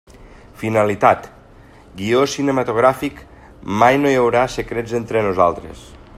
Finalitat: guió cinematogràfic Mai no hi haurà secrets entre nosaltres.